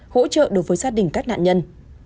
hỗ trợ đối với gia đình các nạn nhân